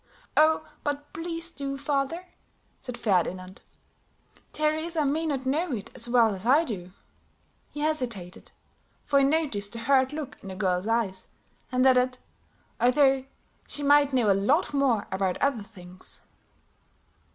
"Oh, but please do, father," said Ferdinand. "Teresa may not know it as well as I do," he hesitated, for he noticed the hurt look in the girl's eyes, and added "although she may know a lot more about other things."